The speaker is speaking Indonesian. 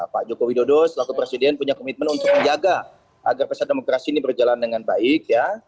pak joko widodo selaku presiden punya komitmen untuk menjaga agar pesta demokrasi ini berjalan dengan baik